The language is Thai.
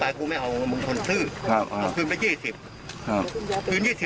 อ้าวมึงซื้อบไป๒๐